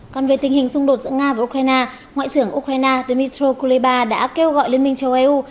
còn về tình hình xung đột giữa nga và ukraine ngoại trưởng ukraine dmitr kuleba đã kêu gọi liên minh châu âu